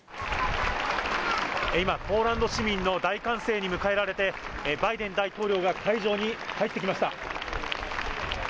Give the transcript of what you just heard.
今、ポーランド市民の大歓声に迎えられて、バイデン大統領が会場に入ってきました。